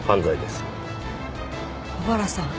小原さん。